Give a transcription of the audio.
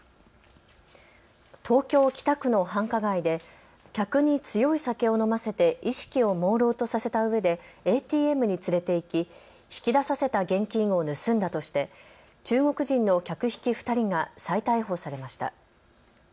東京北区の繁華街で客に強い酒を飲ませて意識をもうろうとさせたうえでＡＴＭに連れて行き引き出させた現金を盗んだとして中国人の客引き２人が再逮捕されました。